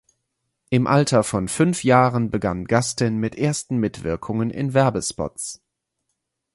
Im Alter von fünf Jahren begann Gustin mit ersten Mitwirkungen in Werbespots.